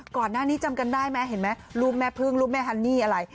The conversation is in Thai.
ก่อนหน้านี้จำกันได้ไหมเห็นไหมรูปแม่พึ่งรูปแม่ฮันนี่อะไร